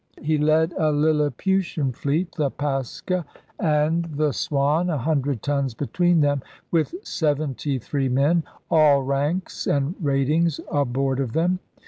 He led a Lilliputian fleet: the Pascha and the 102 ELIZABETHAN SEA DOGS Swan, a hundred tons between them, with seventy three men, all ranks and ratings, aboard of them.